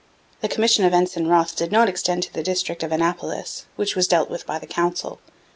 The commission of Ensign Wroth did not extend to the district of Annapolis, which was dealt with by the Council.